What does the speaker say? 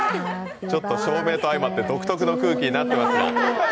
照明と相まって独特の空気になっていますが。